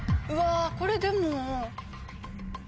うわぁこれでも。